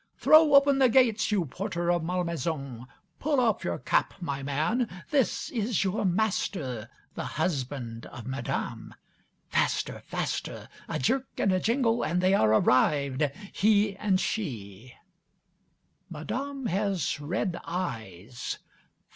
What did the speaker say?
Throw open the gates, you, Porter of Malmaison. Pull off your cap, my man, this is your master, the husband of Madame. Faster! Faster! A jerk and a jingle and they are arrived, he and she. Madame has red eyes.